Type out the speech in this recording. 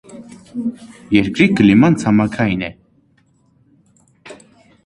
Երկրի կլիման ցամաքային է։